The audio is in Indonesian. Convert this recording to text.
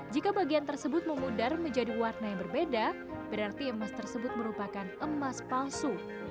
jika bagian tersebut memudar menjadi warna yang berbeda berarti emas tersebut merupakan emas palsu